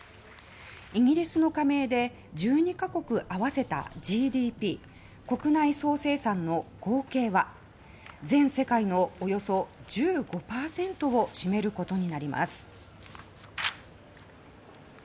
イギリスの加盟で１２か国合わせたＧＤＰ・国内総生産の合計は全世界のおよそ１５％を占めることになります。